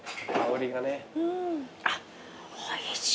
あっおいしい。